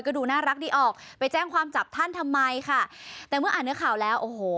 ก็ดูน่ารักดีออกไปแจ้งความจับท่านทำไมค่ะแต่เมื่ออ่านเนื้อข่าวแล้วโอ้โห